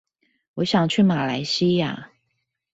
我想去馬來西亞